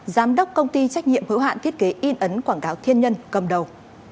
giám đốc công ty trách nhiệm hữu hạn thiết kế in ấn quảng cáo thiên nhân cầm đầu